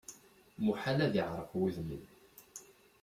Muḥal ad iɛṛeq wudem-im.